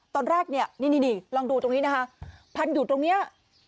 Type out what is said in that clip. ตอนแรกเนี่ยนี่ลองดูตรงนี้นะคะพันอยู่ตรงนี้